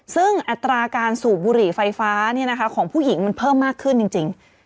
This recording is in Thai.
ซึ่งอัตราการสูบบุหรี่ไฟฟ้าของผู้หญิงมันเพิ่มมากขึ้นจริง